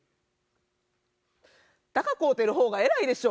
鷹飼うてる方が偉いでしょ。